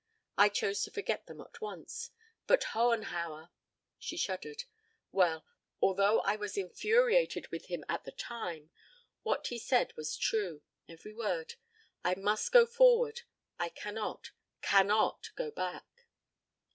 I chose to forget them at once. But Hohenhauer " She shuddered. "Well, although I was infuriated with him at the time what he said was true. Every word. I must go forward. I cannot cannot go back."